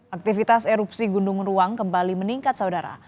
aktivitas erupsi gunung ruang kembali meningkat saudara